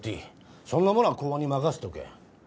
そんなものは公安に任せておけ。